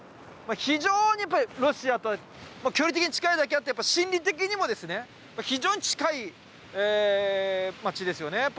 非常にロシアと距離的に近いだけあって心理的にも非常に近い街ですよね。